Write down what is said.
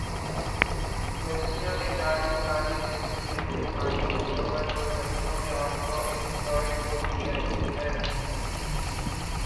لڑکیاں بے چاری ساری زندگی اپنے بھائیوں، شوہر اور بچوں کے ہاتھوں ایکسپلائٹ ہوتی رہتی ہیں